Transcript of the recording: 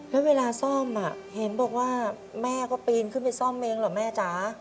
แล้วเวลาซ่อมเห็นบอกว่าแม่ก็ปีนขึ้นไปซ่อมเองเหรอแม่จ๋า